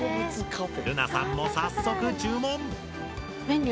るなさんも早速注文。